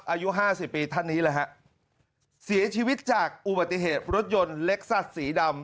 อายุห้าสิบปีท่านนี้แหละฮะเสียชีวิตจากอุบัติเหตุรถยนต์เล็กซัสสีดำ